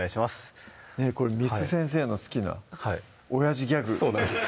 これ簾先生の好きなおやじギャグそうなんです